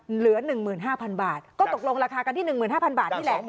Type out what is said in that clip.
เหลือ๑๕๐๐บาทก็ตกลงราคากันที่๑๕๐๐บาทนี่แหละ